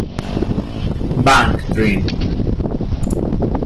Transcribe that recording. BanG Dream!